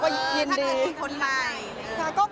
เขาก็ยินดีถ้าเกิดมีคนใหม่